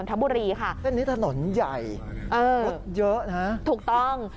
นทบุรีค่ะท่านนี้ถนนใหญ่เออรถเยอะนะถูกต้อง